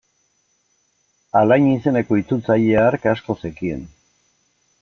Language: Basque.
Alain izeneko itzultzaile hark asko zekien.